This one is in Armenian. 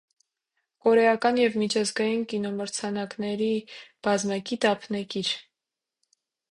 Կորեական և միջազգային կինոմրցանակների բազմակի դափնեկիր։